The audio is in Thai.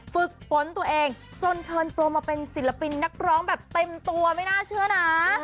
ฝึกฝนตัวเองจนเทินโปรมาเป็นศิลปินนักร้องแบบเต็มตัวไม่น่าเชื่อนะ